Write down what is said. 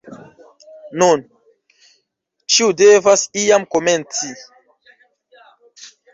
Nun, ĉiu devas iam komenci